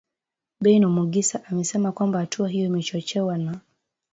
Bain Omugisa amesema kwamba hatua hiyo imechochewa na